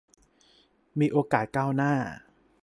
มีโอกาสก้าวหน้า